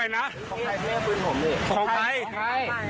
อาวุธก็พร้อมนะคะ